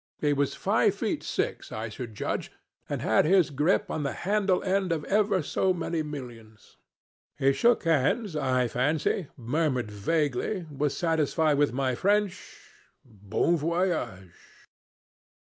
He was five feet six, I should judge, and had his grip on the handle end of ever so many millions. He shook hands, I fancy, murmured vaguely, was satisfied with my French. Bon voyage.